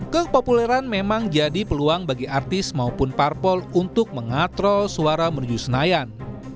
kepopuleran memang jadi peluang bagi artis maupun parpol untuk mengatrol suara menuju senayan